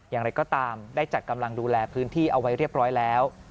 อย่างไรก็ตามได้จัดกำลังดูแลพื้นที่เอาไว้เรียบร้อยแล้ว